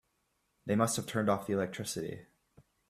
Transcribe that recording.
They must have turned off the electricity.